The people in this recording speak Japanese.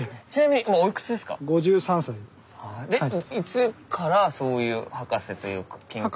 でいつからそういう博士というか。